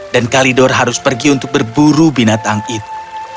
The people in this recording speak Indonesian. dan kalidor harus pergi untuk berburu binatang itu